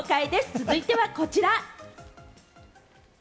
続いては、こちら。